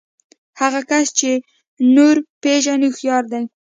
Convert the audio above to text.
هغه کس چې نور پېژني هوښيار دی.